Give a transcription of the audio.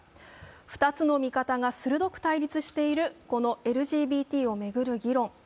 ２つの見方が鋭く対立しているこのＬＧＢＴを巡る議論。